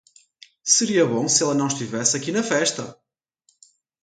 Seria bom se ela não estivesse aqui na festa!